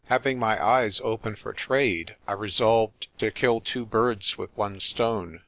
Having my eyes open for trade, I resolved to kill two birds with one stone.